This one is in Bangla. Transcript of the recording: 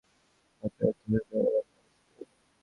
অতএব, ধৈর্য অবলম্বনই শ্রেয়।